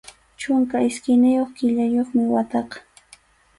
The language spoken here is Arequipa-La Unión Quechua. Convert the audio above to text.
Chunka iskayniyuq killayuqmi wataqa.